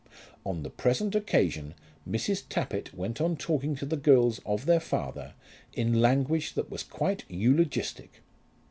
On the present occasion Mrs. Tappitt went on talking to the girls of their father in language that was quite eulogistic.